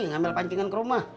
ngambil pancingan ke rumah